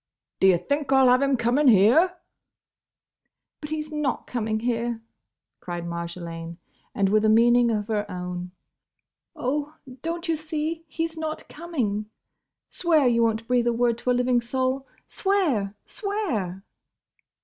"D' ye think I 'll have him coming here—?" "But he's not coming here!" cried Marjolaine; and with a meaning of her own: "Oh, don't you see he's not coming?—Swear you won't breathe a word to a living soul! Swear! Swear!"